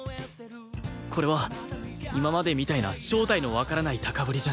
これは今までみたいな正体のわからない高ぶりじゃない